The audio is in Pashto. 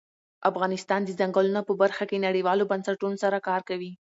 افغانستان د ځنګلونه په برخه کې نړیوالو بنسټونو سره کار کوي.